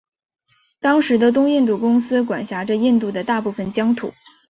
当时的东印度公司管辖着印度的大部分疆土。